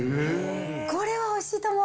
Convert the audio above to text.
これはおいしいと思う。